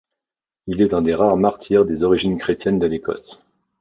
Il est un des rares martyrs des origines chrétiennes de l'Écosse.